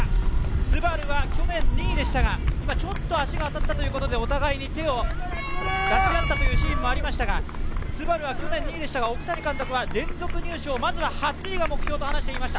ＳＵＢＡＲＵは去年２位でしたが、今ちょっと足が当たったということでお互いに手を出し合ったというシーンもありましたが、ＳＵＢＡＲＵは去年２位でしたが、奥谷監督は連続入賞、まずは８位が目標と話していました。